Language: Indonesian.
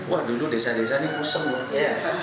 wah dulu desa desa ini kusam loh